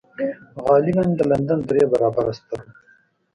غالباً د لندن درې برابره ستر و.